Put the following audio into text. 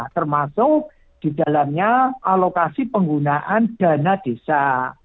termasuk di dalamnya alokasi penggunaan dana desa